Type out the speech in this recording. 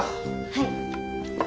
はい。